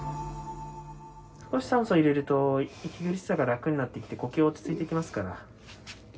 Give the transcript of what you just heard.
少し酸素を入れると息苦しさが楽になってきて、呼吸落ち着いてきますから。